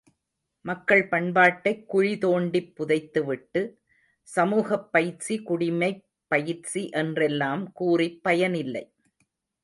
மக்கள் பண்பாட்டைக் குழி தோண்டிப் புதைத்துவிட்டு, சமூகப் பயிற்சி குடிமைப் பயிற்சி என்றெல்லாம் கூறிப் பயனில்லை.